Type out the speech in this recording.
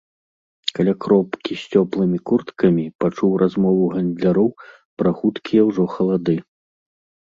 Каля кропкі з цёплымі курткамі пачуў размову гандляроў пра хуткія ўжо халады.